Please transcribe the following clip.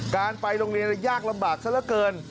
การไปโรงเรียนยากลำบากซะละเกิน